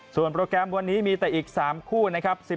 ส่วนโปรแกรมวันนี้มีแต่อีก๓คู่นะครับ